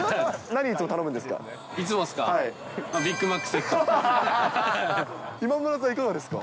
何、いつも頼むんですか。